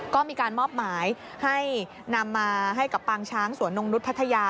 ก็มีการมอบหมายให้นำมาให้กับปางช้างสวนนงนุษย์พัทยา